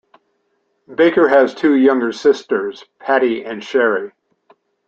Baker has two younger sisters, Patti and Sheri.